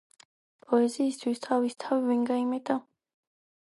პოეზიისთვის თავის თავი ვინ გაიმეტა.